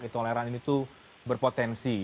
intoleran itu berpotensi